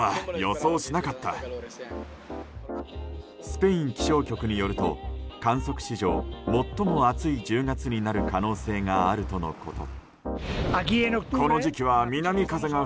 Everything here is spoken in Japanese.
スペイン気象局によると観測史上最も暑い１０月になる可能性があるとのこと。